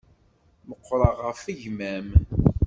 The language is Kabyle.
Meqqṛeɣ ɣef gma-m.